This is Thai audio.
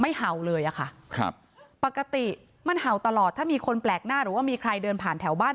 เห่าเลยอะค่ะครับปกติมันเห่าตลอดถ้ามีคนแปลกหน้าหรือว่ามีใครเดินผ่านแถวบ้าน